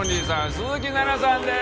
鈴木奈々さんです！